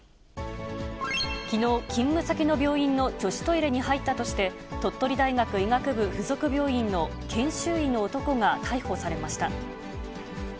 きのう、勤務先の病院の女子トイレに入ったとして、鳥取大学医学部附属病院の研修医の男が逮捕されました。